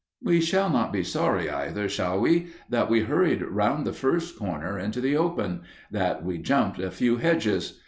We shall not be sorry either, shall we, that we hurried round the first corner into the open that we jumped a few hedges?